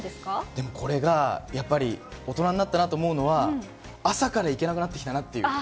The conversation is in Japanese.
でもこれが、やっぱり大人になったなと思うのは、朝から行けなくなってきたなっていう。